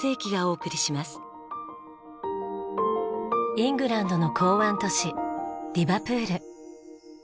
イングランドの港湾都市リバプール。